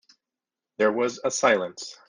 There was a silence.